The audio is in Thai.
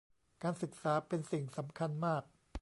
การศึกษาเป็นสิ่งสำคัญมาก